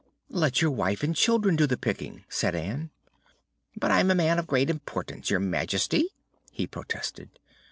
"Let your wife and children do the picking," said Ann. "But I'm a man of great importance, Your Majesty," he protested.